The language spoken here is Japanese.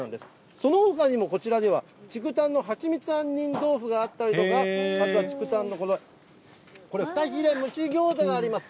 そのほかにも、こちらには、竹炭のはちみつ杏仁豆腐があったりとか、あとは竹炭の、これ、ふかひれ蒸餃子があります。